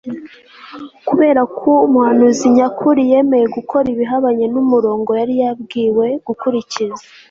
Kubera ko umuhanuzi nyakuri yemeye gukora ibihabanye numurongo yari yabwiwe gukurikiza